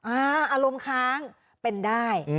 อารมณ์ค้างเป็นได้